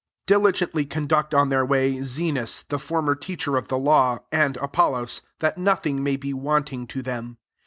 13 Diligently con duct on their way Zenas the Jbrmer teacher of the law, and ApoUos ; that nothing may be wanting to them.